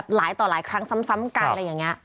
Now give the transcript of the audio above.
หลายต่อหลายครั้งซ้ำกัน